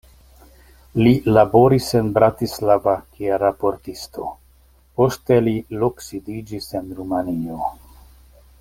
Li laboris en Bratislava kiel raportisto, poste li loksidiĝis en Rumanio.